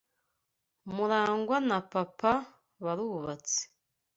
Murangwa na papa barubatse.